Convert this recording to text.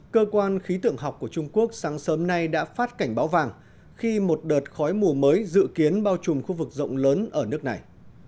cơ quan khí tượng học của trung quốc sáng sớm nay đã phát cảnh báo vàng khi một đợt khói mù mới dự kiến bao trùm khu vực rộng lớn ở nước này